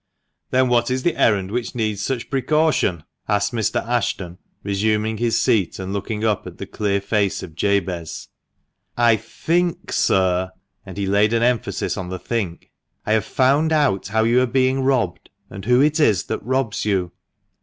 " Then what is the errand which needs such precaution ?" asked Mr. Ashton, resuming his seat and looking up at the clear face of Jabez. " I think t sir," — and he laid an emphasis on the " think "—" I have found out how you are being robbed, and who it is that robs you."